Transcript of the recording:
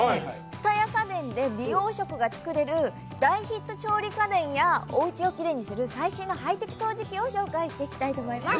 蔦屋家電で美容食が作れる大ヒット調理家電やおうちをキレイにする最新のハイテク掃除機を紹介していきたいと思います